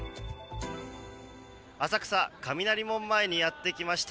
浅草・雷門前にやってきました。